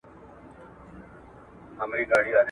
هغه د حساب ورکولو دود عام کړ.